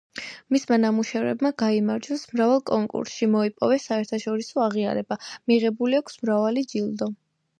მისმა ნამუშევრებმა გაიმარჯვეს მრავალ კონკურსში, მოიპოვეს საერთაშორისო აღიარება, მიღებული აქვს მრავალი ჯილდო.